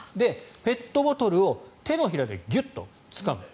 ペットボトルを手のひらで、ぎゅっとつかんで。